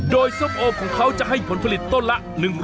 โดยส้มโอมของเขาจะให้ผลผลิตต้นละ